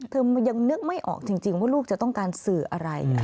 ยังนึกไม่ออกจริงว่าลูกจะต้องการสื่ออะไร